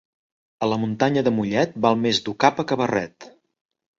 A la muntanya de Mollet, val més dur capa que barret.